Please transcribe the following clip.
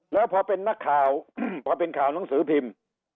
แล้วพอเป็นข่าวหนังสือพิมพ์